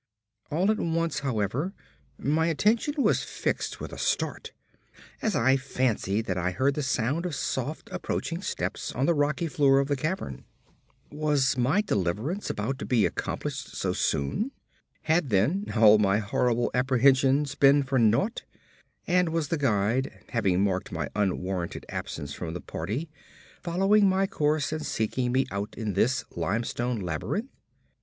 All at once, however, my attention was fixed with a start as I fancied that I heard the sound of soft approaching steps on the rocky floor of the cavern. Was my deliverance about to be accomplished so soon? Had, then, all my horrible apprehensions been for naught, and was the guide, having marked my unwarranted absence from the party, following my course and seeking me out in this limestone labyrinth?